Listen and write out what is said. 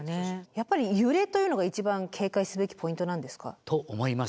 やっぱり揺れというのが一番警戒すべきポイントなんですか？と思います。